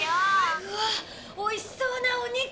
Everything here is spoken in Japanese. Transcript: うわっ美味しそうなお肉！